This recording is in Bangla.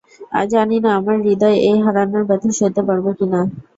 জানি না আমার হৃদয় এই হারানোর ব্যাথা সইতে পারবে কিনা!